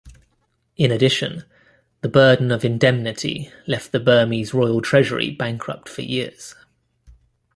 In addition, the burden of indemnity left the Burmese royal treasury bankrupt for years.